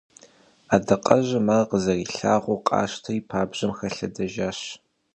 Адакъэжьым ар зэрилъагъуу къащтэри, пабжьэм хэлъэдэжащ.